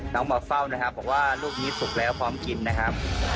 มาเฝ้านะครับบอกว่าลูกนี้สุกแล้วพร้อมกินนะครับ